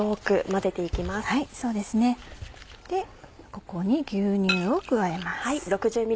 ここに牛乳を加えます。